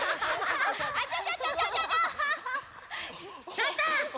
ちょっと！